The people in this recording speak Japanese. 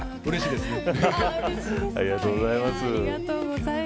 ありがとうございます。